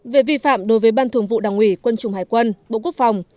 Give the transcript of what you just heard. về vi phạm đối với ban thường vụ đảng ủy quân chủng hải quân bộ quốc phòng